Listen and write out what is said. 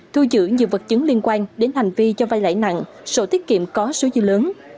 thu giữ nhiều vật chứng liên quan đến hành vi cho vay lãi nặng sổ tiết kiệm có số dư lớn